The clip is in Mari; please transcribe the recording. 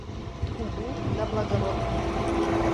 — Кугу да благородный!